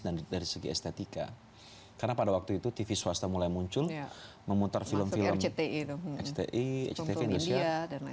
dan dari segi estetika karena pada waktu itu tv swasta mulai muncul memutar film film cti indonesia